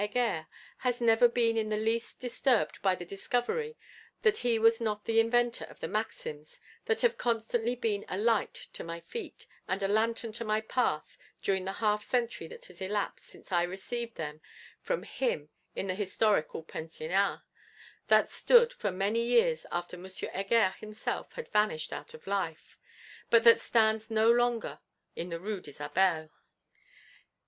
Heger has never been in the least disturbed by the discovery that he was not the inventor of the maxims that have constantly been a light to my feet and a lantern to my path during the half century that has elapsed since I received them from him in the historical Pensionnat, that stood for many years, after Monsieur Heger himself had vanished out of life, but that stands no longer in the Rue d'Isabelle.